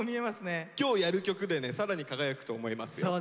今日やる曲でね更に輝くと思いますよ。